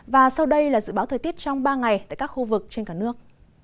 và sau đây là dự báo thời tiết trong ba ngày tại các khu vực trên cả nước